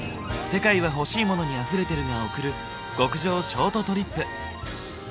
「世界はほしいモノにあふれてる」が贈る極上ショートトリップ。